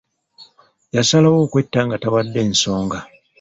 Yasalawo okwetta nga tawadde nsonga.